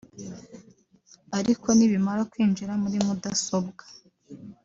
Ariko nibimara kwinjira muri mudasobwa